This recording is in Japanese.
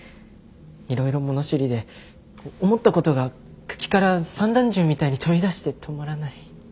いろいろ物知りで思ったことが口から散弾銃みたいに飛び出して止まらない。